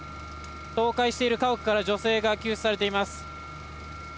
倒壊している家屋から女性が救出されています。